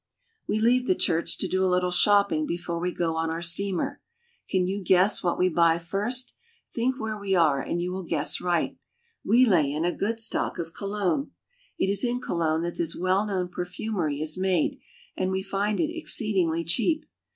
We leave the church, to do a little shopping before we go on our steamer. Can you guess what we buy first? Think where we are and you will guess right. We lay in a good stock of cologne. It is in Cologne that this well known perfumery is made, and we find it exceedingly cheap.